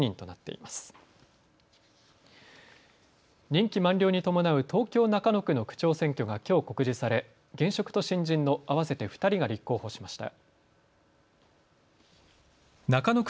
任期満了に伴う東京中野区の区長選挙がきょう告示され現職と新人の合わせて２人が立候補しました。